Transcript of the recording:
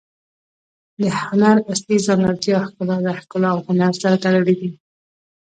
د هنر اصلي ځانګړتیا ښکلا ده. ښګلا او هنر سره تړلي دي.